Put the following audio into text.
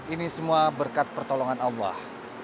ini semua berkat pertolongan allah